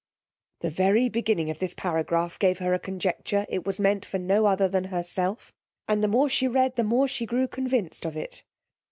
The very beginning of this paragraph gave her a conjecture it was meant for no other than herself; and the more she read, the more she grew convinced, of it.